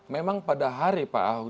memang pada hari pak ahok